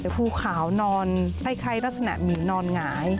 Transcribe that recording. แต่ภูขาวนอนคล้ายลักษณะหมีนอนหงาย